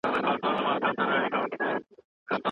حکومتونه د کډوالو په قانون کي څه بدلوي؟